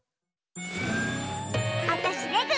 あたしレグ！